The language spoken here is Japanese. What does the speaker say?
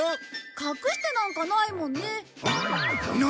隠してなんかないもんね。何！？